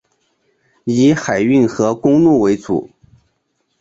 以海运和公路为主。